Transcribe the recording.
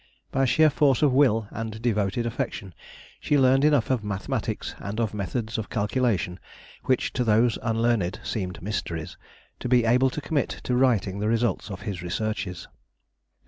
By sheer force of will and devoted affection, she learned enough of mathematics and of methods of calculation, which to those unlearned seem mysteries, to be able to commit to writing the results of his researches.